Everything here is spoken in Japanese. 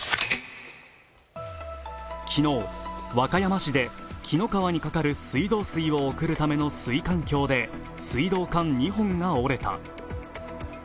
昨日、和歌山市で紀の川にかかる水道水を送る水管橋の水道管２本が折れた。